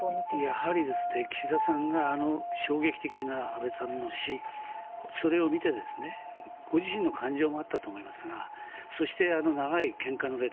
やはり岸田さんが衝撃的な安倍さんの死それを見て、ご自身の感情もあったと思いますがそして長い献花の列。